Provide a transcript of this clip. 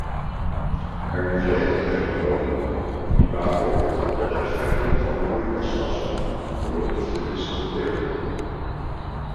Er moet regelgeving komen die waarborgt dat de effecten van broeikasgassen worden verdisconteerd.